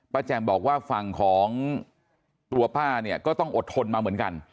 แจ่มบอกว่าฝั่งของตัวป้าเนี่ยก็ต้องอดทนมาเหมือนกัน